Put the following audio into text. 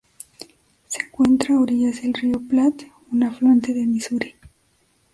Se encuentra a orillas del río Platte, un afluente del Misuri.